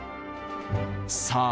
さあ